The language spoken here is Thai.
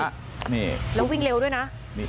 นี่แล้ววิ่งเร็วด้วยนะ